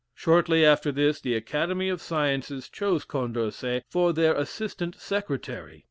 Shortly after this, the Academy of Sciences chose Condorcet for their assistant secretary.